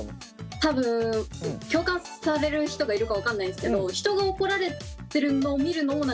多分共感される人がいるか分かんないんですけど分かる。